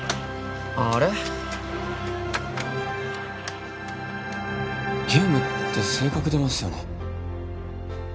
あああれゲームって性格出ますよね